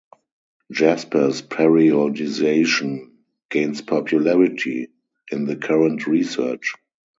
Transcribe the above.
Jaspers' periodization gains popularity in the current research.